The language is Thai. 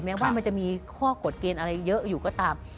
ว่ามันจะมีข้อกฎเกณฑ์อะไรเยอะอยู่ก็ตาม